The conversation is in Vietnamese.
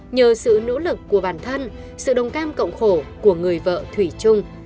nhờ sự nỗ lực của bản thân sự đồng cam cộng khổ của người vợ thủy trung